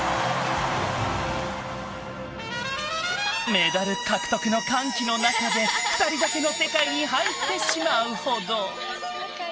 メダル獲得の歓喜の中で２人だけの世界に入ってしまうほど。